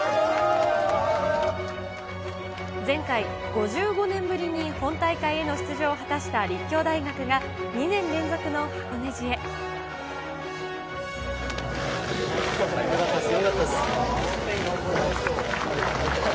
前回、５５年ぶりに本大会への出場を果たした立教大学が２年連続の箱根よかったです、よかったです。